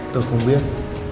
tôi không biết